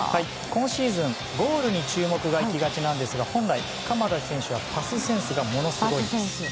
今シーズン、ゴールに注目がいきがちなんですが本来、鎌田選手はパスセンスがものすごいんです。